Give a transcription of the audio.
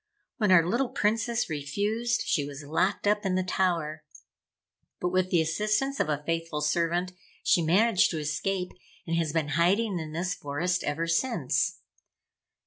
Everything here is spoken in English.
When our little Princess refused, she was locked up in the tower. But, with the assistance of a faithful servant, she managed to escape, and has been hiding in this forest ever since.